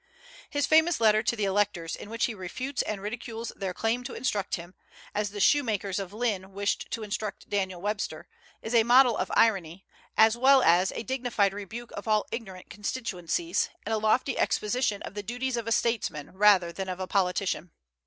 His famous letter to the electors, in which he refutes and ridicules their claim to instruct him, as the shoemakers of Lynn wished to instruct Daniel Webster, is a model of irony, as well as a dignified rebuke of all ignorant constituencies, and a lofty exposition of the duties of a statesman rather than of a politician.